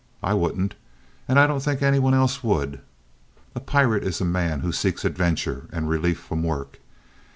I wouldn't, and I don't think any one else would. A pirate is a man who seeks adventure and relief from work.